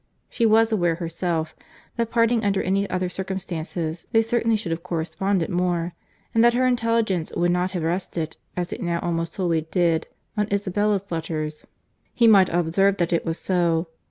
She was aware herself, that, parting under any other circumstances, they certainly should have corresponded more, and that her intelligence would not have rested, as it now almost wholly did, on Isabella's letters. He might observe that it was so.